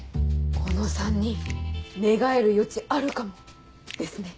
この３人寝返る余地あるかもですね！